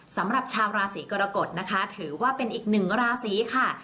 สำหรับชาวราศีกรกฎนะคะถือว่าเป็นอีกหนึ่งราศีค่ะ